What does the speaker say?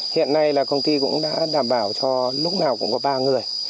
hiện nay là công ty cũng đã đảm bảo cho lúc nào cũng có ba người